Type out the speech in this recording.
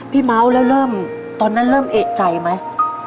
พี่เมาท์ตอนนั้นเริ่มเหกใจไหม